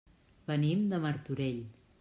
Venim de Martorell.